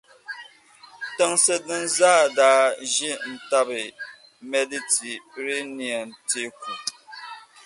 tinsi din zaa daa ʒi n-tabi Meditireniɛn teeku.